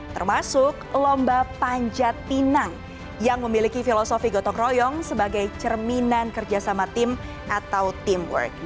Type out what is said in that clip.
termasuk lomba panjat pinang yang memiliki filosofi gotong royong sebagai cerminan kerjasama tim atau teamwork